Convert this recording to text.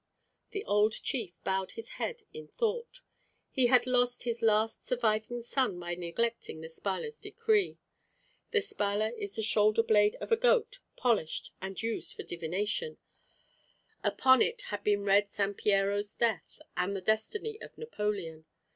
The old chief bowed his head in thought. He had lost his last surviving son by neglecting the Spalla's decree. The Spalla is the shoulder blade of a goat, polished, and used for divination; upon it had been read Sampiero's death, and the destiny of Napoleon.